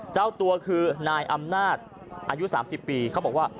เจ้าตัวคือนายอำนาจอายุ๓๐ปีเขาบอกว่า